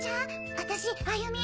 私歩美。